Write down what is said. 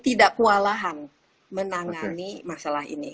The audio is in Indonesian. tidak kewalahan menangani masalah ini